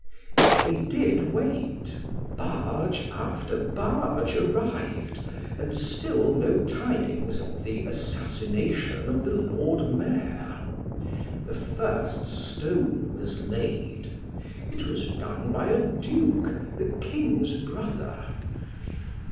They did wait ; barge after barge arrived, and still no tidings of tho assassination of tho Lord Mayor. Tho first stone was laid : it was done by a Duke the King's brother.